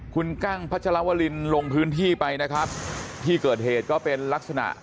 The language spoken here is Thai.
คุณกั้งพัชรวรินลงพื้นที่ไปนะครับที่เกิดเหตุก็เป็นลักษณะ